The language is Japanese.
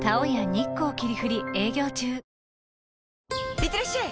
いってらっしゃい！